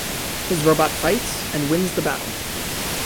His robot fights and wins the battle.